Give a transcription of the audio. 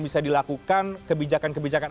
bisa dilakukan kebijakan kebijakan